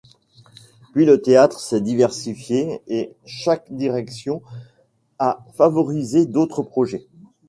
Puis le théâtre s'est diversifié et chaque direction a favorisé d'autres projets.